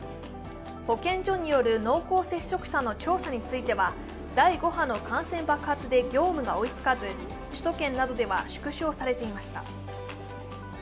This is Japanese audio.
保健所による濃厚接触者の調査については第５波の感染爆発で業務が追いつかず、首都圏などでは縮小されていました。